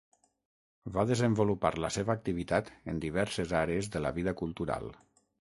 Va desenvolupar la seva activitat en diverses àrees de la vida cultural.